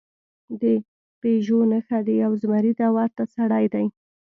د پېژو نښه د یو زمري ته ورته سړي ده.